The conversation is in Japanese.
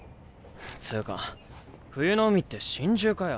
つぅか冬の海って心中かよ。